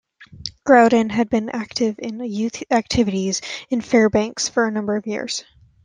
Growden had been active in youth activities in Fairbanks for a number of years.